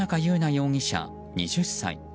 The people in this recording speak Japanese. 容疑者、２０歳。